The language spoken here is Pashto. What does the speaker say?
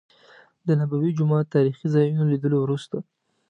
د نبوي جومات تاريخي ځا يونو لیدلو وروسته.